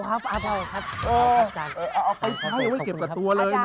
เอ้ยเขาไม่ไว้เก็บกระตูะเลยนะ